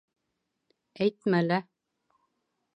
— Әйтмә лә.